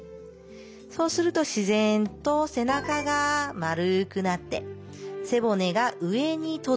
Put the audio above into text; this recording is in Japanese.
そうすると自然と背中が丸くなって背骨が上に凸。